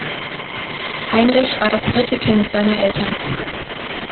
Heinrich war das dritte Kind seiner Eltern.